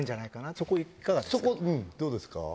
そこどうですか？